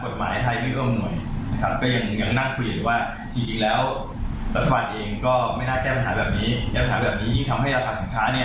สูงขึ้นนะครับถ้ามีโอกาส